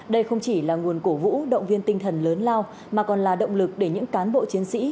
đây không chỉ là nguồn cổ vũ động viên tinh thần lớn lao mà còn là động lực để những cán bộ chiến sĩ